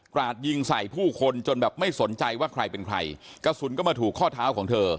ราดยิงใส่ผู้คนจนแบบไม่สนใจว่าใครเป็นใครกระสุนก็มาถูกข้อเท้าของเธอ